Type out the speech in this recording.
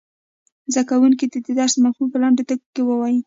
زده کوونکي دې د درس مفهوم په لنډو ټکو کې ووايي.